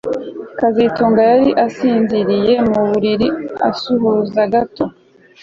kazitunga yari asinziriye mu buriri asuhuza gato